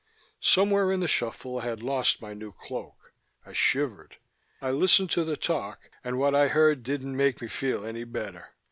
Somewhere in the shuffle I had lost my new cloak. I shivered. I listened to the talk, and what I heard didn't make me feel any better.